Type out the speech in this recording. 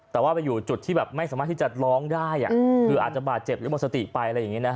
แต่ว่าไปอยู่จุดที่แบบไม่สามารถที่จะร้องได้อาจจะบาดเจ็บหรือบ่สัตว์ตีไป